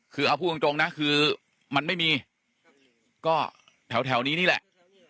คือเอาพูดตรงนะคือมันไม่มีก็แถวนี้นี่แหละ